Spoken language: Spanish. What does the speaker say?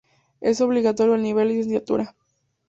Es obligatorio al nivel licenciatura.